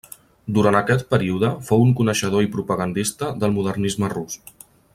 Durant aquest període fou un coneixedor i propagandista del modernisme rus.